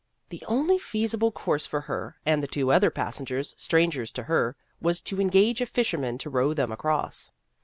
The only feasible course for her and the two other passengers strangers to her was to engage a fisherman to row them across.